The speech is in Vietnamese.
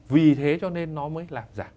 vì thế cho nên nó mới làm giảm